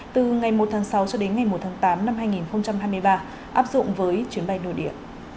từ ngày một tháng sáu cho đến ngày một tháng tám năm hai nghìn hai mươi ba áp dụng với chuyến bay nội địa